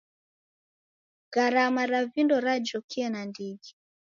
Gharama ra vindo rajokie nandighi.